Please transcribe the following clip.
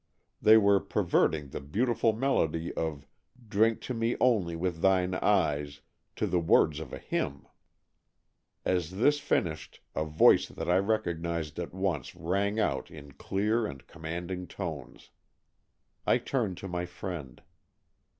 They were perverting the beautiful melody of " Drink to me only with thine eyes '' to the words of a hymn. As this finished, a voice that I recognized at once rang out in clear and commanding tones. I turned to my friend.